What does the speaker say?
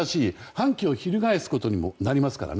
反旗を翻すことにもなりますから。